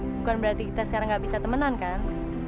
bukan berarti kita sekarang gak bisa temenan kan